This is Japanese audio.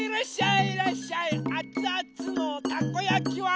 いらっしゃい！